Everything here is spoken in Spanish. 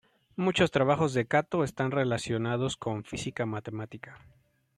Muchos trabajos de Kato están relacionados con Física-Matemática.